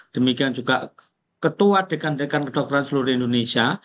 demikian juga ketua dekan dekan kedokteran seluruh indonesia